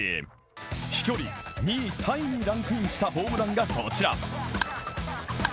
飛距離２位タイにランクインしたホームランがこちら。